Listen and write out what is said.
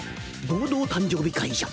合同誕生日会じゃ。